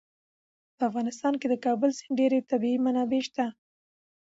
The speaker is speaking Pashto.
په افغانستان کې د کابل سیند ډېرې طبعي منابع شته.